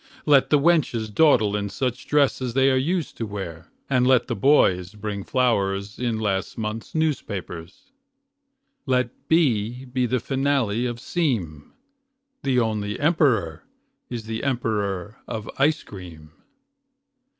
Let the wenches dawdle in such dress As they are used to wear, and let the boys Bring flowers in last month's newspapers. Let be be the finale of seem. The only emperor is the emperor of ice cream.